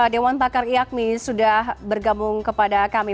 dewan pakar iakmi sudah bergabung kepada kami